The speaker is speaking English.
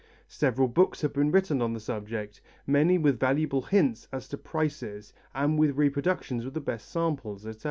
Several books have been written on the subject, many with valuable hints as to prices and with reproductions of the best samples, etc.